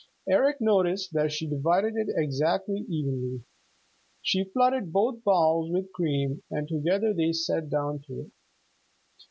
Eric noticed that she divided it exactly evenly. She flooded both bowls with cream, and together they sat down to it.